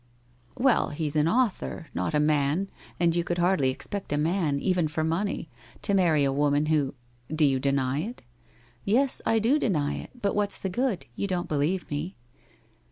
1 Well, he's an author — not a man, and you could hardly expect a man, even for money, to marry a woman who ■ Do you deny it ?' 1 Yes, I do deny it, but what's the good ? You don't believe me.'